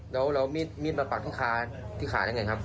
แล้วเอามีดมาปักที่ขาที่ขาได้ไงครับ